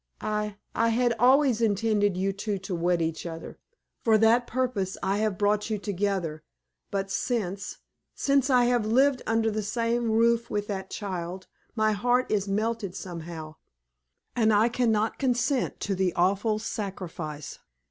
I I had always intended you two to wed each other. For that purpose I have brought you together; but since since I have lived under the same roof with that child, my heart is melted somehow, and I can not consent to the awful sacrifice.